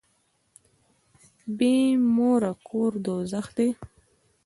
بي موره کور دوږخ دی.